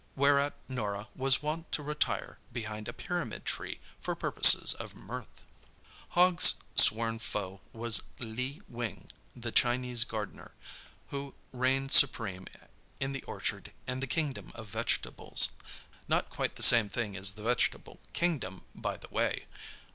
Whereat Norah was wont to retire behind a pyramid tree for purposes of mirth. Hogg's sworn foe was Lee Wing, the Chinese gardener, who reigned supreme in the orchard and the kingdom of vegetables—not quite the same thing as the vegetable kingdom, by the way!